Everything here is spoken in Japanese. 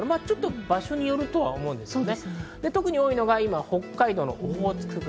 場所によるとは思うんですよね。